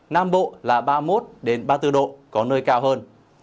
nam bộ là ba mươi một ba mươi bốn độ có nơi cao hơn